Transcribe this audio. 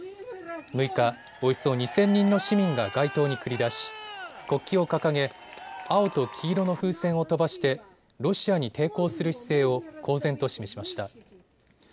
６日、およそ２０００人の市民が街頭に繰り出し国旗を掲げ青と黄色の風船を飛ばしてロシアに抵抗する姿勢を公然と示しました。